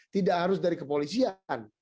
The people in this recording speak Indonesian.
tidak harus dari kepolisian